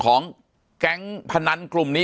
ปากกับภาคภูมิ